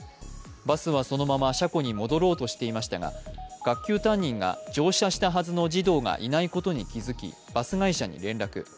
バスは、そのまま車庫に戻ろうとしていましたが、学級担任が乗車したはずの児童がいないことに気付きバス会社に連絡。